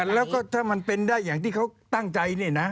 แล้วถ้ามันเป็นได้อย่างที่เขาตั้งใจ